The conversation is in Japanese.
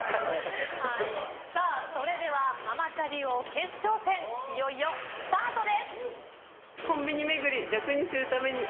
それでママチャリ王決勝戦いよいよスタートです。